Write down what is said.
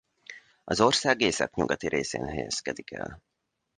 Az ország északnyugati részén helyezkedik el.